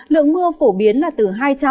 lượng mưa phổ biến là từ hai trăm linh ba trăm linh